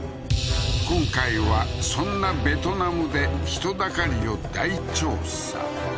今回はそんなベトナムで人だかりを大調査